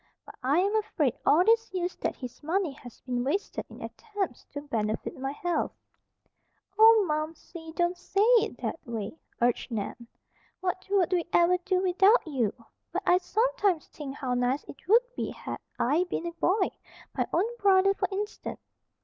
But I am afraid all these years that his money has been wasted in attempts to benefit my health." "Oh, Momsey! Don't say it, that way," urged Nan. "What would we ever do without you? But I sometimes think how nice it would be had I been a boy, my own brother, for instance.